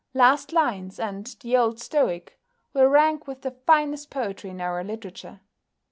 "Last Lines" and "The Old Stoic" will rank with the finest poetry in our literature.